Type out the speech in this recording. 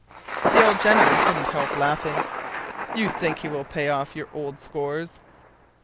The old gentleman couldn’t help laughing. “You think he will pay off your old scores?